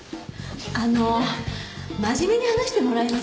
あの真面目に話してもらえます？